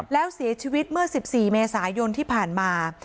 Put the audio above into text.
แล้วเสียชีวิตเมื่อ๑๔เมษายนที่ผ่านมา